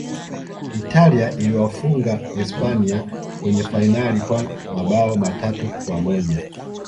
italia iliwafunga hispania kwenye fainali kwa mabao matatu kwa moja